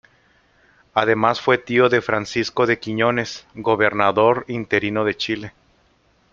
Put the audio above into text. Además fue tío de Francisco de Quiñones, gobernador interino de Chile.